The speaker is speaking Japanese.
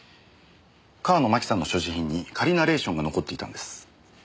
川野麻紀さんの所持品に仮ナレーションが残っていたんです。